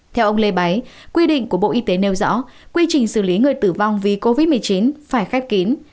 theo ông lê báy quy định của bộ y tế nêu rõ quy trình xử lý người tử vong vì covid một mươi chín phải khép kín